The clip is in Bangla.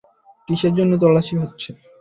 কিসের জন্য তল্লাশী হচ্ছে?